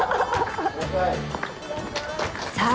さあ